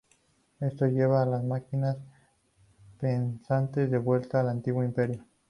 Esto lleva a las máquinas pensantes de vuelta al antiguo imperio.